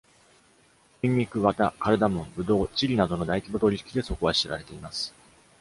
ニンニク、綿、カルダモン、ブドウ、チリなどの大規模取引でそこは知られています。